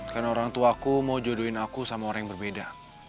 kan orangtuaku mau jodohin aku sama orang yang berbeda